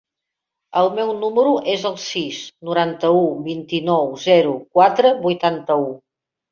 El meu número es el sis, noranta-u, vint-i-nou, zero, quatre, vuitanta-u.